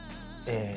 ええ。